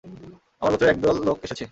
আমার গোত্রের একদল লোক এসেছে।